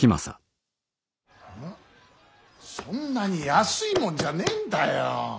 そんなに安いもんじゃねんだよ。